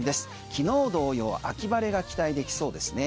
昨日同様、秋晴れが期待できそうですね。